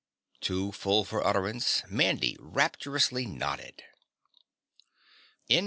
Too full for utterance, Mandy rapturously nodded.